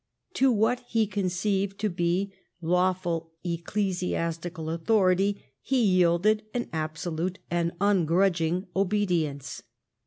To what he conceived to be lawful ecclesiastical authority he yielded an absolute and ungrudging obedience.